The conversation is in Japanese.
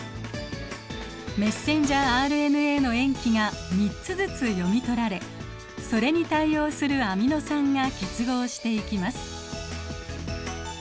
メッセンジャーＲＮＡの塩基が３つずつ読み取られそれに対応するアミノ酸が結合していきます。